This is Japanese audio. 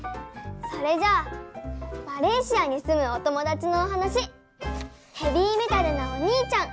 それじゃあマレーシアにすむお友だちのおはなし「ヘビーメタルなお兄ちゃん」